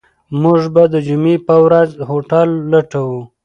موږ به د جمعې په ورځ هوټل لټوو.